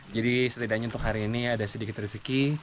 jadi setidaknya untuk hari ini ada sedikit rezeki